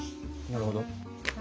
なるほど。